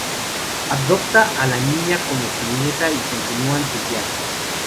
Adopta a la niña como su nieta y continúan su viaje.